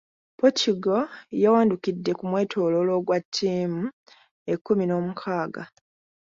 Portugal yawandukidde ku mwetooloolo ogwa ttiimu ekkumi n’omukaaga.